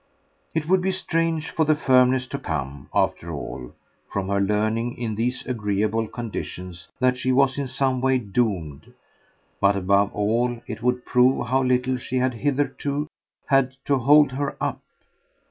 It would be strange for the firmness to come, after all, from her learning in these agreeable conditions that she was in some way doomed; but above all it would prove how little she had hitherto had to hold her up.